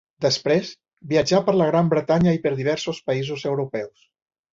Després viatjà per la Gran Bretanya i per diversos països europeus.